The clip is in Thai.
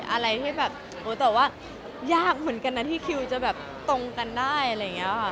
อะไรที่แบบโอ้แต่ว่ายากเหมือนกันนะที่คิวจะแบบตรงกันได้อะไรอย่างนี้ค่ะ